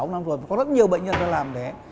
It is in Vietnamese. hai mươi sáu năm rồi có rất nhiều bệnh nhân đã làm thế